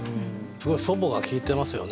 すごい「祖母」が効いてますよね。